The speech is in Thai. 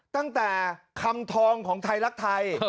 ตั้งแต่คำทองของไทยรักไทย